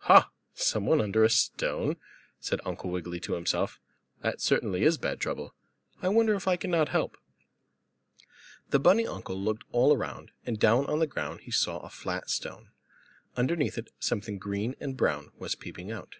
"Ha! Some one under a stone!" said Uncle Wiggily to himself. "That certainly is bad trouble. I wonder if I cannot help?" The bunny uncle looked all around and down on the ground he saw a flat stone. Underneath it something green and brown was peeping out.